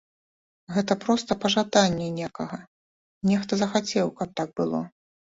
Гэта проста пажаданне некага, нехта захацеў, каб так было.